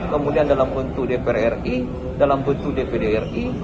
kemudian dalam bentuk dpr ri dalam bentuk dpd ri